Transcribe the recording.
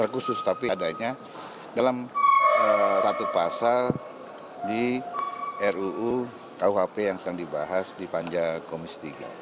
khusus tapi adanya dalam satu pasal di ruu kuhp yang sedang dibahas di panja komis tiga